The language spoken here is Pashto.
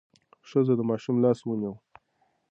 ښځه د ماشوم لاس ونیو.